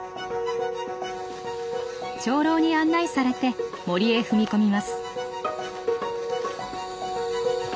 長老に案内されて森へ踏み込みます。